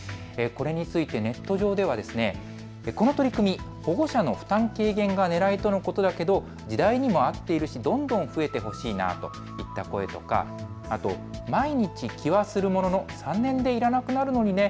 これについてネット上ではこの取り組み、保護者の負担軽減がねらいだとのことだけど時代にもあってうれしいどんどん増えてほしいなといった声や毎日、着はするものの３年でいらなくなるのにね。